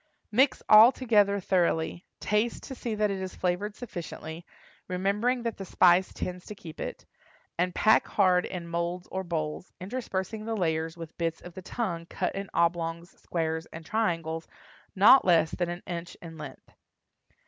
Mix all together thoroughly, taste to see that it is flavored sufficiently, remembering that the spice tends to keep it, and pack hard in moulds or bowls, interspersing the layers with bits of the tongue cut in oblongs, squares and triangles not less than an inch in length.